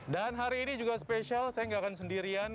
dan hari ini juga spesial saya gak akan sendirian